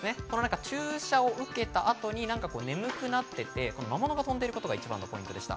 注射を受けた後に眠くなっていて、魔物が飛んいでるのが一番のポイントでした。